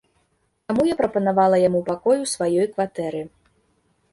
Таму я прапанавала яму пакой у сваёй кватэры.